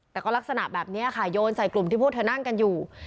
แต่ก็ลักษณะแบบนี้ค่ะโยนใส่กลุ่มที่พวกเธอนั่งกันอยู่